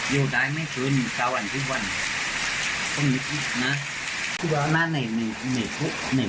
เราไม่รู้ว่าจะอยู่ในนี้ก็เป็นติดต่อไหนเมื่อไม่รู้อยู่นั้น